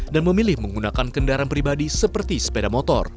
dan memilih menggunakan kendaraan pribadi seperti sepeda motor